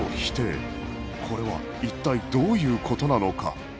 これは一体どういう事なのか？